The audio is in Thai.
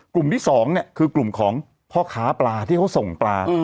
กลุ่มที่สองเนี่ยคือกลุ่มของพ่อขาปลาที่เขาส่งปลา